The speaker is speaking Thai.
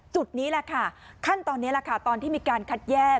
จุดนี้แหละค่ะขั้นตอนนี้แหละค่ะตอนที่มีการคัดแยก